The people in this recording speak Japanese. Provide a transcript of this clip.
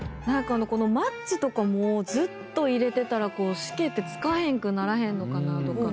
このマッチとかもずっと入れてたらしけってつかへんくならへんのかなとか。